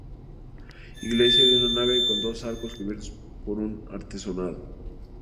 Iglesia de una nave con dos arcos cubiertos por un artesonado.